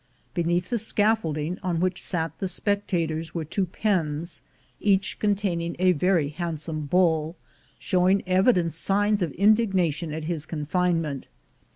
Beneath the scaffolding on which sat the spectators were two pens, each containing a very handsome bull, showing evident signs of indignation at his confinement.